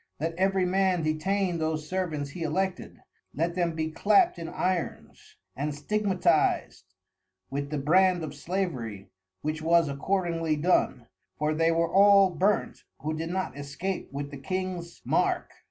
Let every Man detain those Servants he Elected, let them be clapt in Irons, and stigmatiz'd with the Brand of Slavery, which was accordingly done, for they were all burnt, who did no excape with the King's Mark.